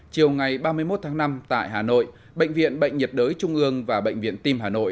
chiều ngày ba mươi một tháng năm tại hà nội bệnh viện bệnh nhiệt đới trung ương và bệnh viện tim hà nội